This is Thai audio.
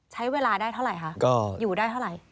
ใช้เวลาได้เท่าไหร่คะก็อยู่ได้เท่าไหร่